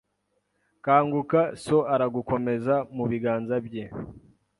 Kanguka so aragukomeza mubiganza bye